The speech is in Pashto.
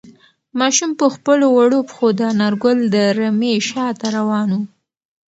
ماشوم په خپلو وړو پښو د انارګل د رمې شاته روان و.